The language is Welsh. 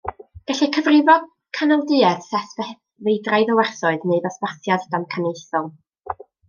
Gellir cyfrifo canolduedd set feidraidd o werthoedd neu ddosbarthiad damcaniaethol.